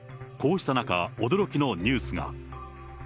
こうした中、驚きのニュースが。